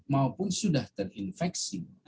maupun sudah terinfeksi